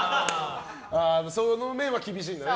その面は厳しいんだね。